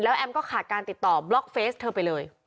แอมก็ขาดการติดต่อบล็อกเฟสเธอไปเลย